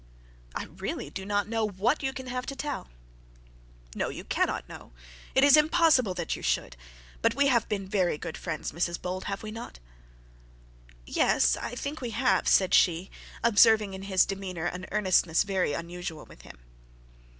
'I really do not know what you can have to tell.' 'No you cannot know. It is impossible that you should. But we have been very good friends, Mrs Bold, have we not?' 'Yes, I think we have,' said she, observing in his demeanour an earnestness very unusual with him.